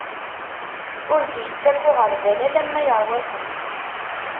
Ur d-ittak uɣerbal, alamma iṛwa-tent.